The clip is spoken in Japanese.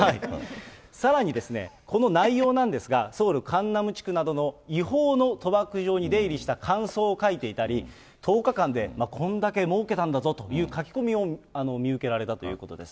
さらに、この内容なんですが、ソウル・カンナム地区などの違法の賭博場に出入りした感想を書いていたり、１０日間でこんだけもうけたんだぞという書き込みを見受けられたということです。